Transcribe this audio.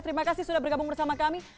terima kasih sudah bergabung bersama kami